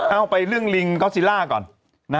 เอาไปเรื่องลิงก๊อฟซิล่าก่อน